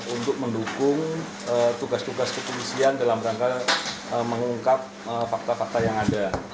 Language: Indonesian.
untuk mendukung tugas tugas kepolisian dalam rangka kepolisian